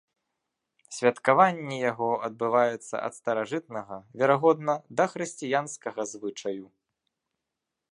Святкаванне яго адбываецца ад старажытнага, верагодна, дахрысціянскага звычаю.